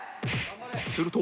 すると